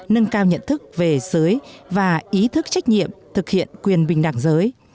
nâng cao nhận thức về giới và ý thức trách nhiệm thực hiện quyền bình đẳng giới